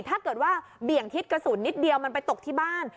ถ้าเกิดว่าเบี่ยงทิศกระสุนนิดเดียวมันไปตกที่บ้าน